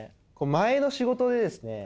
前の仕事でですね